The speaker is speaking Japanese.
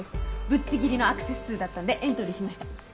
ぶっちぎりのアクセス数だったんでエントリーしました。